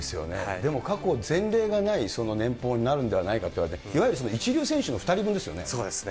でも過去、前例がない年俸になるんではないかといわれて、いわゆるその一流そうですね。